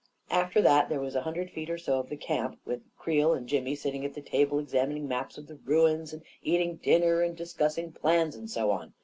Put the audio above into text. After that there was a hundred feet or so of the camp, with Creel and Jimmy sitting at the table examining maps of the ruins, and eating dinner, and discussing plans, and so on.